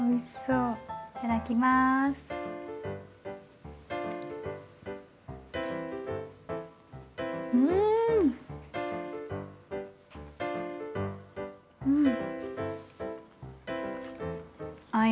うん。